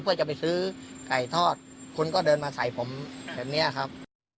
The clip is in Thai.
เพื่อจะไปซื้อไก่ทอดคุณก็เดินมาใส่ผมแบบนี้ครับ